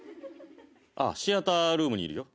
ああシアタールームにいるよ。